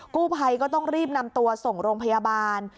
กู้ภัยก็ต้องรีบนำตัวส่งโรงพยาบาล